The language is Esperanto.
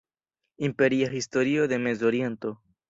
Imperia Historio de Mezoriento.